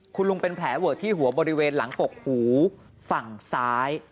คุณลุงเป็นแผลเวอะที่หัวบริเวณหลังกกหูฝั่งซ้าย